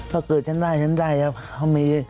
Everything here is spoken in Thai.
ถ้าเกิดฉันได้ฉันได้